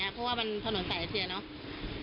เพราะว่ามันถนนสายเอเชียเนอะ